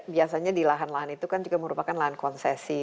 biasanya di lahan lahan itu kan juga merupakan lahan konsesi